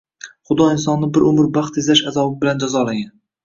Xudo insonni bir umr baxt izlash azobi bilan jazolagan.